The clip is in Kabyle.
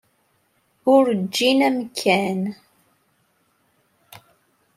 Ur ǧǧin amkan.